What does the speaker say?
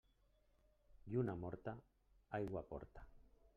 Lluna morta aigua porta.